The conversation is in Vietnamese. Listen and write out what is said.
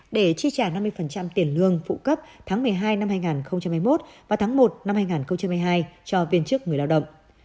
để chi trả năm mươi tiền lương phụ cấp tháng một mươi hai năm hai nghìn hai mươi một và tháng một năm hai nghìn hai mươi hai cho viên chức người lao động